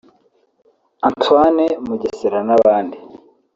Antoine Mugesera n’abandi